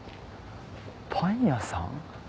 パン屋さん？